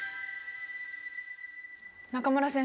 中村先生